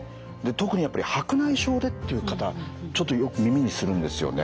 特にやっぱり白内障でっていう方ちょっとよく耳にするんですよね。